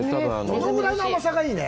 このくらいの甘さがいいね。